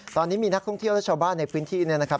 ตอนนี้มีนักท่องเที่ยวและชาวบ้านในพื้นที่เนี่ยนะครับ